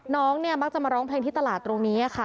น้องเนี่ยมักจะมาร้องเพลงที่ตลาดตรงนี้ค่ะ